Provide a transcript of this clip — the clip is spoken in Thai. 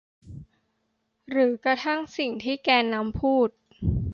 หรือกระทั่งสิ่งที่แกนนำพูด